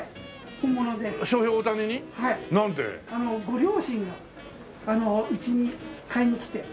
ご両親がうちに買いに来て。